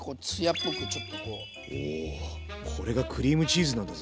おこれがクリームチーズなんだぜ。